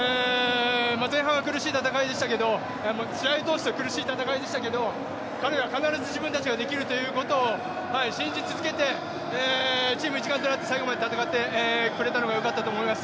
前半は苦しい戦いでしたけど試合を通して苦しい戦いでしたけど彼らは必ず自分たちはできるということを信じ続けてチーム一丸となって最後まで戦ってくれたのが良かったと思います。